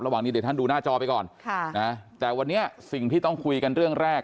อย่างนี้เดี๋ยวท่านดูหน้าจอไปก่อนค่ะนะแต่วันนี้สิ่งที่ต้องคุยกันเรื่องแรก